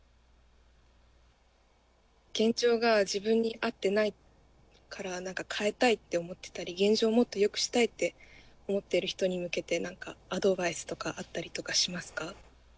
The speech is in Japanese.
現状が自分に合ってないから何か変えたいって思ってたり現状をもっとよくしたいって思ってる人に向けて何かアドバイスとかあったりとかしますか？